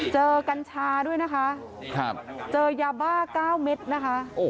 กัญชาด้วยนะคะเจอยาบ้า๙เม็ดนะคะ